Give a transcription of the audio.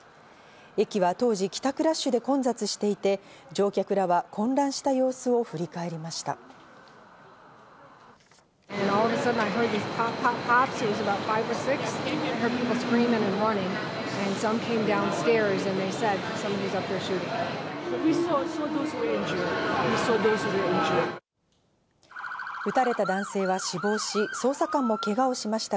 駅は当時、帰宅ラッシュで混雑していて、乗客らは混乱した様子を振り返りました。